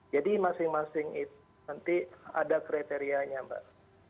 jadi masing masing itu nanti ada kriterianya mbak